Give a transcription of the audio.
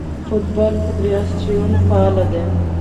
د افغانستان فوټبال فدراسیون فعال دی.